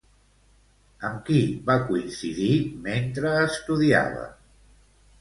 Amb qui va coincidir mentre estudiava?